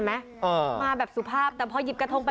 พอพอมาแบบสุภาพ